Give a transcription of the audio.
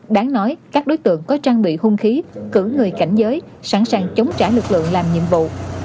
đáng nói các đối tượng có trang bị hung khí cử người cảnh giới sẵn sàng chống trả lực lượng làm nhiệm vụ